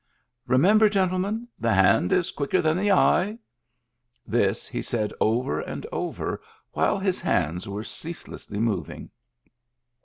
" Remember, gentlemen, the hand is quicker than the eye." This he said over and over, while his hands were ceaselessly moving.